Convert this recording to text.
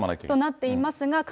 となっていますが、